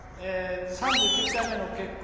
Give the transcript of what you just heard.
３９回目の結婚